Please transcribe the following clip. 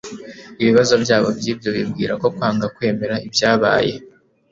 ibibazo bya bo by'ibyo bibwira ko kwanga kwemera ibyabaye,